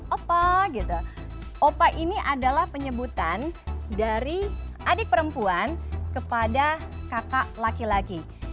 oppa ini adalah penyebutan dari adik perempuan kepada kakak laki laki